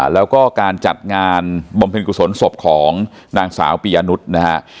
แล้วก็การจัดงานบำเพ็ญกุศลศพของนางสาวปียะนุษย์นะฮะ